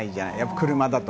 車だと。